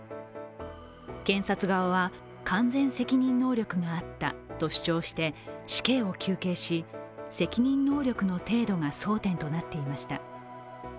検察側は、完全責任能力があったと主張して死刑を求刑し、責任能力の程度が争点となっていました。